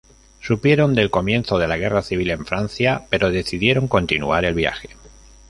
Supieron del comienzo de la guerra civil en Francia pero decidieron continuar el viaje.